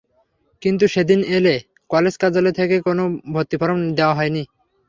কিন্তু সেদিন এলে কলেজ কার্যালয় থেকে কোনো ভর্তি ফরম দেওয়া হয়নি।